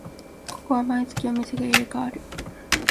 ここは毎月お店が入れ替わる